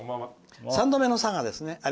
３度目の佐賀ですね。